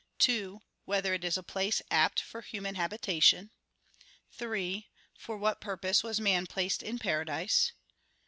(2) Whether it is a place apt for human habitation? (3) For what purpose was man placed in paradise?